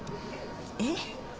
えっ？